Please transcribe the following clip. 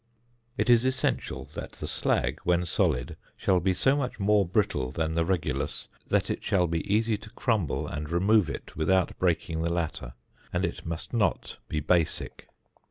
It is essential that the slag, when solid, shall be so much more brittle than the regulus, that it shall be easy to crumble, and remove it without breaking the latter; and it must not be basic.